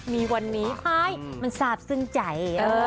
มีวันนี้ภายมันทราบซึ้งใจ